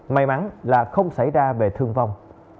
may mắn là không xảy ra về thương vong